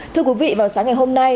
thưa quý vị vào sáng ngày hôm nay